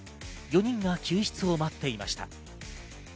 ４人が救出を待っていました。